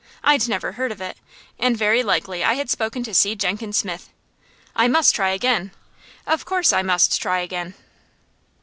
I'd never heard of it, and very likely I had spoken to C. Jenkins Smith. I must try again of course I must try again.